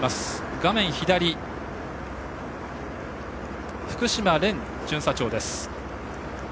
画面左は福島蓮巡査長です。